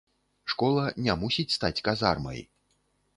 Школа не мусіць стаць казармай.